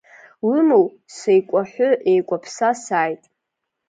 Уимоу, сеикәаҳәы-еикәаԥса сааит.